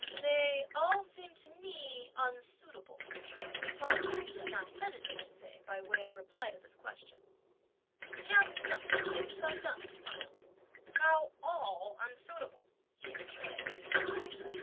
"They all seem to me unsuitable!" Pao yü did not hesitate to say by way of reply to this question. Chia Cheng gave a sardonic smile. "How all unsuitable?" he exclaimed.